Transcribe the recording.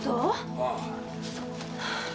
ああ。